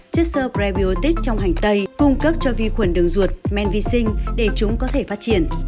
chất sơ gray biotic trong hành tây cung cấp cho vi khuẩn đường ruột men vi sinh để chúng có thể phát triển